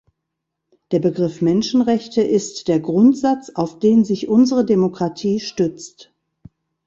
Der Begriff Menschenrechte ist der Grundsatz, auf den sich unsere Demokratie stützt.